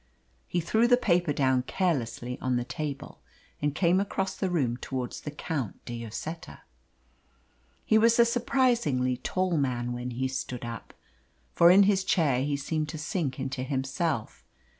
He threw the paper down carelessly on the table, and came across the room towards the Count de Lloseta. He was a surprisingly tall man when he stood up; for in his chair he seemed to sink into himself.